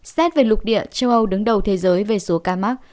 xét về lục địa châu âu đứng đầu thế giới về số ca mắc